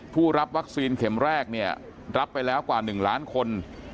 ผู้รับวัคซีนเข็มแรกเนี่ยรับไปแล้วกว่า๑ล้านคน